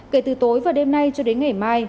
kể từ tối và đêm nay cho đến ngày mai